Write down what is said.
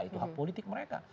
itu hak politik mereka